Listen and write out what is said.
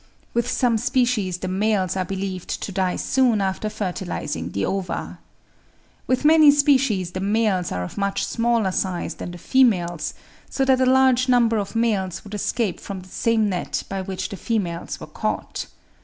With some species the males are believed to die soon after fertilising the ova. With many species the males are of much smaller size than the females, so that a large number of males would escape from the same net by which the females were caught.